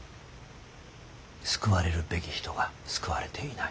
救われるべき人が救われていない。